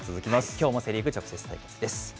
きょうもセ・リーグ、直接対決です。